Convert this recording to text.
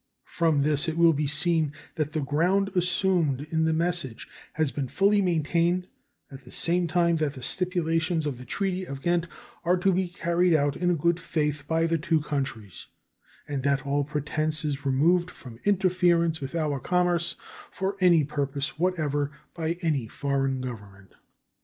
From this it will be seen that the ground assumed in the message has been fully maintained at the same time that the stipulations of the treaty of Ghent are to be carried out in good faith by the two countries, and that all pretense is removed for interference with our commerce for any purpose whatever by a foreign government.